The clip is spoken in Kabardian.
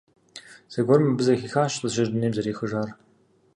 Зэгуэрым абы зэхихащ лӀыжьыр дунейм зэрехыжар.